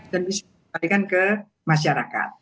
dan bisa dikembalikan ke masyarakat